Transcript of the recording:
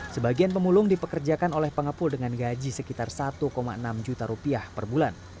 sebagian pemulung dipekerjakan oleh pengepul dengan gaji sekitar satu enam juta rupiah per bulan